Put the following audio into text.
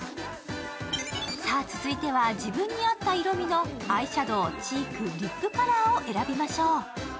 さあ、続いては自分に合った色味のアイシャドウ、チーク、リップカラーを選びましょう。